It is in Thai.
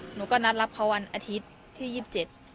หนูก็นัดรับเขาวันอาทิตย์ที่ยี่สิบเจ็ด